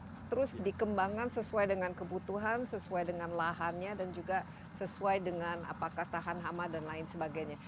harus terus dikembangkan sesuai dengan kebutuhan sesuai dengan lahannya dan juga sesuai dengan apakah tahan hama dan lain sebagainya